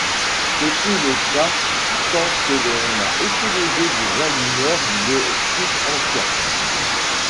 Ce fut le cas tant que l'on a utilisé des allumeurs de type anciens.